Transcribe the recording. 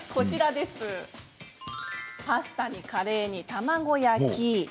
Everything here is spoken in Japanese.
パスタにカレーに卵焼き。